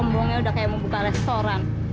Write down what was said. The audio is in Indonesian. sombongnya udah kayak mau buka restoran